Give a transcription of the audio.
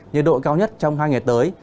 nhiệt độ cao nhất trong hai ngày tới